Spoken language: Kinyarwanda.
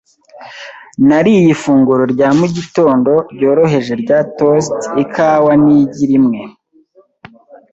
Nariye ifunguro rya mu gitondo ryoroheje rya toast, ikawa, n'igi rimwe .)